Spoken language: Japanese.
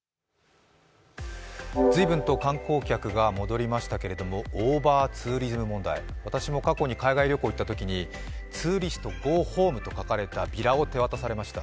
随分と観光客が戻りましたけど、オーバーツーリズム問題、私も過去に海外旅行に行ったときにツーリスト・ゴー・ホームと書かれたビラを手渡されました。